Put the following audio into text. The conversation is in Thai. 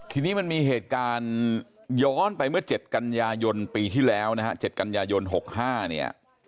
ทีนี้มันมีเหตุการณ์ย้อนไปเมื่อ๗กันยายนปีที่แล้วนะฮะ๗กันยายน๖๕เนี่ย